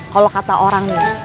kalau kata orang nih